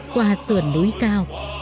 qua sườn núi cao